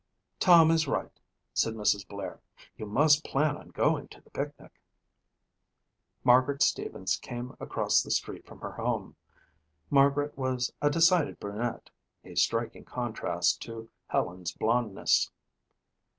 "Tom is right," said Mrs. Blair. "You must plan on going to the picnic." Margaret Stevens came across the street from her home. Margaret was a decided brunette, a striking contrast to Helen's blondness.